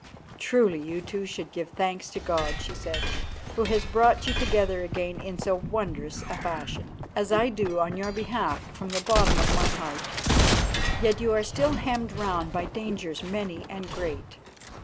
"Truly you two should give thanks to God," she said, "Who has brought you together again in so wondrous a fashion, as I do on your behalf from the bottom of my heart. Yet you are still hemmed round by dangers many and great.